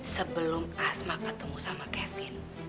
sebelum asma ketemu sama kevin